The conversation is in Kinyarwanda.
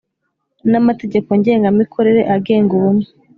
n amategeko ngengamikorere agenga Ubumwe